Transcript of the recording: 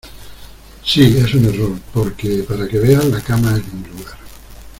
Sí, es un error , porque , para que veas , la cama es mi lugar.